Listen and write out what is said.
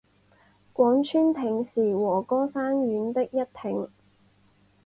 广川町是和歌山县的一町。